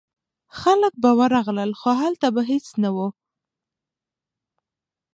خلک به ورغلل خو هلته به هیڅ نه و.